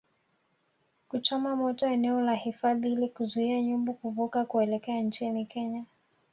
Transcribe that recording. kuchoma moto eneo la hifadhi ili kuzuia nyumbu kuvuka kuelekea nchini Kenya